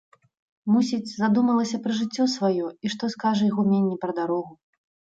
Мусіць, задумалася пра жыццё свае і што скажа ігуменні пра дарогу.